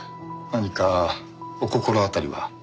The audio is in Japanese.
何かお心当たりは？